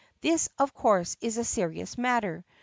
This of course is a serious matter.